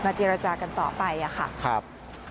มาเจรจากันต่อไปอะค่ะครับ